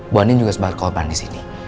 bu anin juga sempat ke obat di sini